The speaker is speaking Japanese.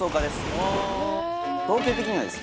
統計的にはです